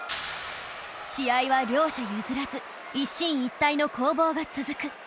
試合は両者譲らず一進一退の攻防が続く